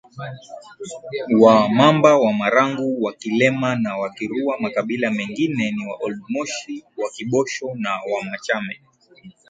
WaMamba WaMaranguWaKilema na Wakirua Makabila mengine ni WaOld Moshi WaKibosho na WaMachame